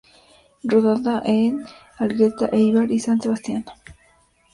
Rodada en Elgueta, Éibar y San Sebastián.